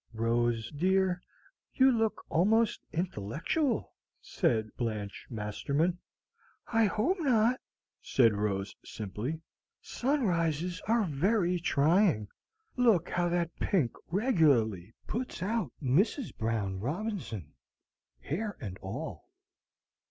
Rose, dear, you look almost intellectual," said Blanche Masterman. "I hope not," said Rose, simply. "Sunrises are very trying. Look how that pink regularly puts out Mrs. Brown Robinson, hair and all!"